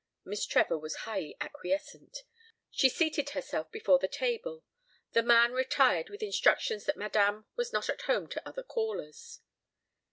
Miss Trevor was brightly acquiescent. She seated herself before the table. The man retired with instructions that Madame was not at home to other callers.